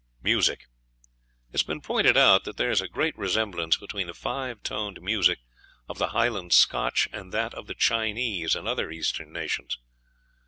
Music. It has been pointed out that there is great resemblance between the five toned music of the Highland Scotch and that of the Chinese and other Eastern nations.